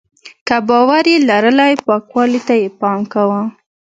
که باور یې لرلی پاکوالي ته یې پام کاوه.